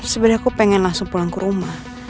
sebenarnya aku pengen langsung pulang ke rumah